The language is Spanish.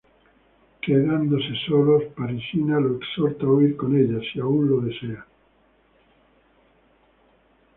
Quedándose solos, Parisina lo exhorta a huir con ella, si aún lo desea.